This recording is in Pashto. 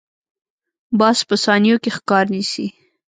باز په ثانیو کې ښکار نیسي